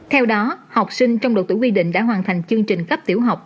theo đó học sinh trong đội tủ quy định đã hoàn thành chương trình cấp tiểu học